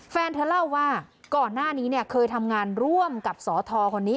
แฟนเธอเล่าว่าก่อนหน้านี้เนี่ยเคยทำงานร่วมกับสทคนนี้